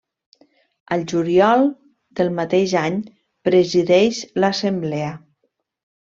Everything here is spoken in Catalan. Al juliol del mateix any presideix l'Assemblea.